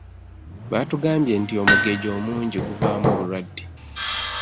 Batugambye nti omugejjo omungi guvaamu obulwadde.